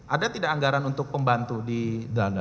ada tidak anggaran untuk pembantu di dana